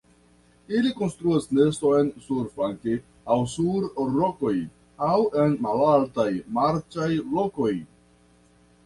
Ili konstruas neston surplanke aŭ sur rokoj aŭ en malaltaj marĉaj lokoj.